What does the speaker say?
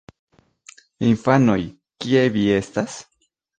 Infanoj... kie vi estas?